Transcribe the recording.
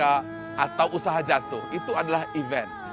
atau usaha jatuh itu adalah event